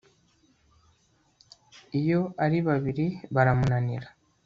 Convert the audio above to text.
iyo ari babiri baramunanira